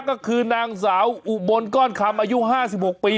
ก็คือนางสาวอุบลก้อนคำอายุห้าสิบหกปี